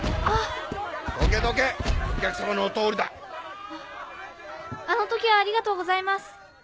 あの時はありがとうございます。